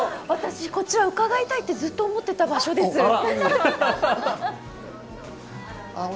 私、こちら伺いたいってずっと思ってた場所です。